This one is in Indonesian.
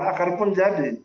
akar pun jadi